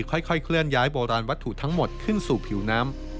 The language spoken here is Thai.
ค่อยเคลื่อนย้ายโบราณวัตถุทั้งหมดขึ้นสู่ผิวน้ำ